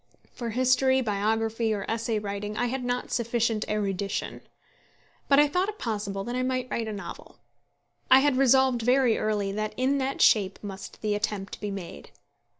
For history, biography, or essay writing I had not sufficient erudition. But I thought it possible that I might write a novel. I had resolved very early that in that shape must the attempt be made.